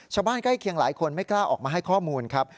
ใกล้เคียงหลายคนไม่กล้าออกมาให้ข้อมูลครับ